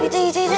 itu itu itu